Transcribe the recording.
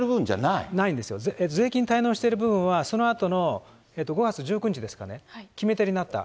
税金滞納してる分はそのあとの５月１９日ですかね、決め手になった、